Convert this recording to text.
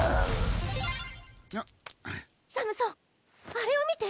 あれを見て。